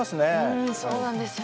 うんそうなんですよね。